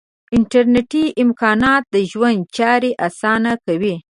انټرنیټي امکانات د ژوند چارې آسانه کوي.